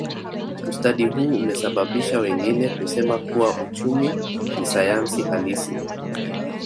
Ustadi huu umesababisha wengine kusema kuwa uchumi ni sayansi halisi